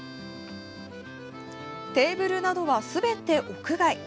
テーブルなどはすべて屋外。